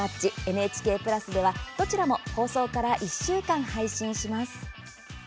ＮＨＫプラスでは、どちらも放送から１週間配信します。